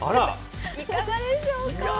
いかがでしょうか？